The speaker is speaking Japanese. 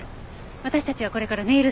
私たちはこれからネイルサロンに。